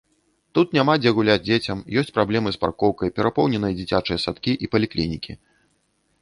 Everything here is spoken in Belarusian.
Тут няма дзе гуляць дзецям, ёсць праблемы з паркоўкай, перапоўненыя дзіцячыя садкі і паліклінікі.